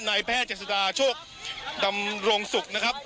นายแพทย์เจษฎาโชคดำรงศุกร์นะครับ